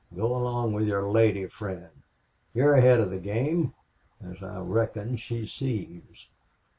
Go along with your lady friend... You're ahead of the game as I reckon she sees."